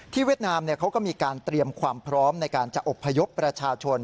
เวียดนามเขาก็มีการเตรียมความพร้อมในการจะอบพยพประชาชน